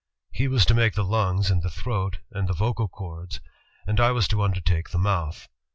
He was to make the lungs and the throat, and the vocal chords, and I was to undertake the mouth.